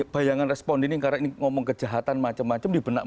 bayangan responden ini karena ngomong kejahatan macam macam